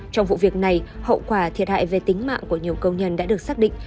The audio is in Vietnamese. trong vụ việc này hậu quả thiệt hại về tính mạng của nhiều công nhân đã được xác định